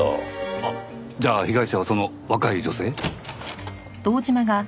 あっじゃあ被害者はその若い女性？